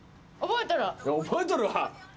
覚えとるん？